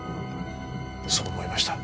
そう思いました。